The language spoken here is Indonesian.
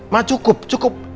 ma cukup cukup